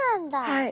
はい。